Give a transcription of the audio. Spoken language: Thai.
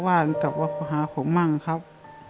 แม่ก็ว่ากลับไปหาผมบ้างครับ